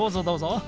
どうぞ。